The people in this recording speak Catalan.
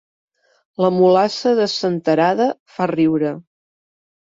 La mulassa de Senterada fa riure